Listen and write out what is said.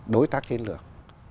đối tác chiến lược